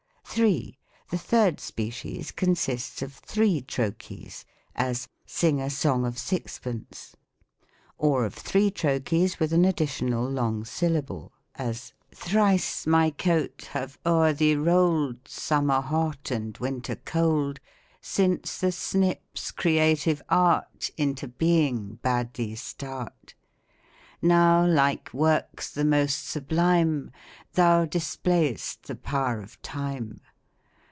3. The third species consists of three trochees : as, "Sing a song of sixpence. Or of three trochees, with an additional long syllable; as, ( PROSODY. 1 28 Thrice my coat, have o'er thee roll'd, Summer hot and winter cold, Since the Snip's creative art Into being bade thee start; Now like works the most sublime, Thou display'st the power of time.